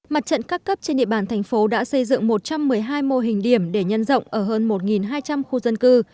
mặt trận các cấp trên địa bàn thành phố đã xây dựng một trăm một mươi hai mô hình điểm để nhân rộng ở hơn một hai trăm linh khu dân cư